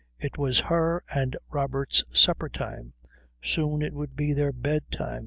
It was her and Robert's supper time. Soon it would be their bedtime.